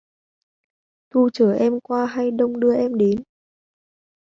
Thu chở em qua hay đông đưa em đến?